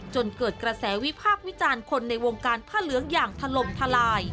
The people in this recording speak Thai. จนเกิดกระแสวิพากษ์วิจารณ์คนในวงการผ้าเหลืองอย่างถล่มทลาย